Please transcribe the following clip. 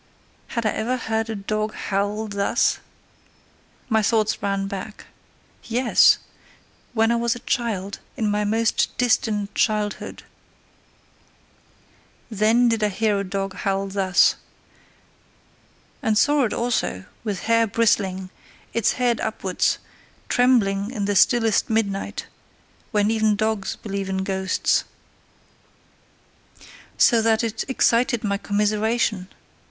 Had I ever heard a dog howl thus? My thoughts ran back. Yes! When I was a child, in my most distant childhood: Then did I hear a dog howl thus. And saw it also, with hair bristling, its head upwards, trembling in the stillest midnight, when even dogs believe in ghosts: So that it excited my commiseration.